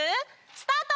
スタート！